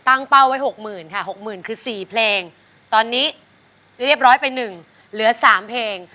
เป้าไว้๖๐๐๐ค่ะ๖๐๐๐คือ๔เพลงตอนนี้เรียบร้อยไป๑เหลือ๓เพลง